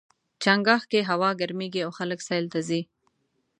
چنګاښ کې هوا ګرميږي او خلک سیل ته ځي.